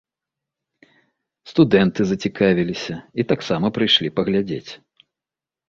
Студэнты зацікавіліся і таксама прыйшлі паглядзець.